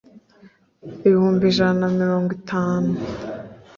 bihumbi ijana na mirongo itanu